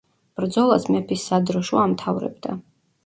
ბრძოლას მეფის სადროშო ამთავრებდა.